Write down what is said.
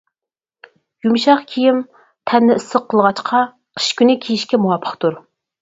يۇمشاق كىيىم تەننى ئىسسىق قىلغاچقا، قىش كۈنى كىيىشكە مۇۋاپىقتۇر.